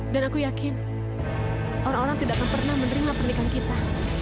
dan aku yakin orang orang tidak akan pernah menerima pernikahan kita